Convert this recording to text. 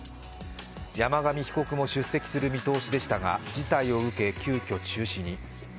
山上被告も出席する見通しでしたが事態を受け、急きょ、中止に。